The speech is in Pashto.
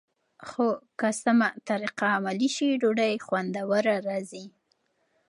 خو که سمه طریقه عملي شي، ډوډۍ خوندوره راځي.